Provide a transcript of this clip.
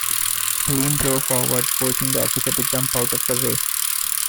Lynn drove forward, forcing the officer to jump out of the way.